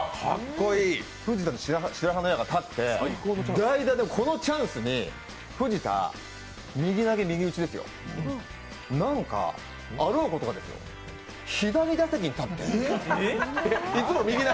藤田に白羽の矢が立って、代打で、このチャンスに藤田、右投げ右打ちですよ、なんか、あろうことかですよ、左打席に立って。